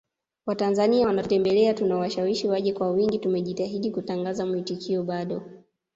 Watanzania wanatutembelea tunawashawishi waje kwa wingi tumejitahidi kutangaza mwitikio bado